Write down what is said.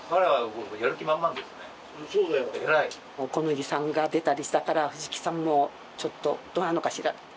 小此木さんが出たりしたから藤木さんもちょっとどうなのかしら。